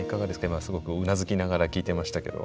今すごくうなずきながら聞いてましたけど。